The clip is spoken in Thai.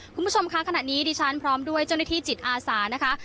คุณผู้ชมค่ะขณะนี้ดิฉันพร้อมด้วยเจ้าหน้าที่จิตอาสานะคะ